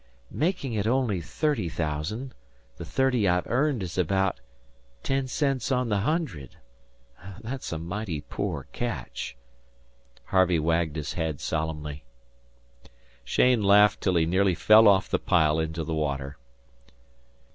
"Making it only thirty thousand, the thirty I've earned is about ten cents on the hundred. That's a mighty poor catch." Harvey wagged his head solemnly. Cheyne laughed till he nearly fell off the pile into the water.